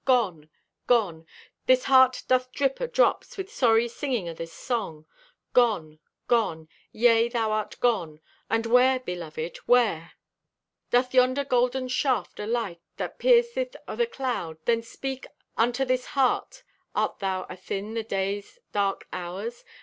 Gone! Gone! This heart doth drip o' drops With sorry singing o' this song. Gone! Gone! Yea, thou art gone! And where, beloved, where? Doth yonder golden shaft o' light That pierceth o' the cloud Then speak unto this heart? Art thou athin the day's dark hours?